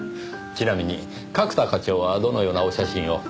ちなみに角田課長はどのようなお写真を？